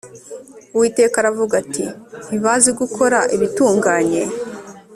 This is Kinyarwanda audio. Uwiteka aravuga ati “Ntibazi gukora ibitunganye